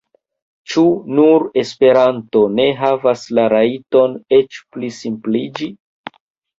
Ĉu nur Esperanto ne havas la rajton eĉ pli simpliĝi?